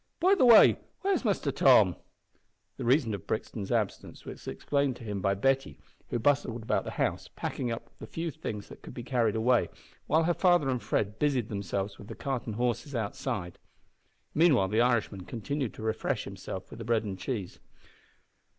By the way, where's Muster Tom?" The reason of Brixton's absence was explained to him by Betty, who bustled about the house packing up the few things that could be carried away, while her father and Fred busied themselves with the cart and horses outside. Meanwhile the Irishman continued to refresh himself with the bread and cheese.